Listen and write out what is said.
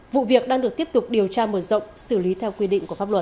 vụ việc đang được tiếp tục điều tra mở rộng xử lý theo quy định của pháp luật